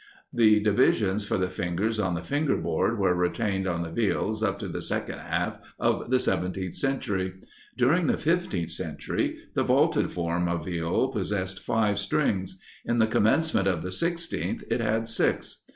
The divisions for the fingers on the finger board were retained on the Viols up to the second half of the seventeenth century. During the fifteenth century the vaulted form of Viol possessed five strings; in the commencement of the sixteenth it had six.